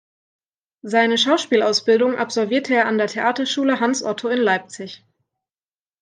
Seine Schauspielausbildung absolvierte er an der Theaterschule Hans Otto in Leipzig.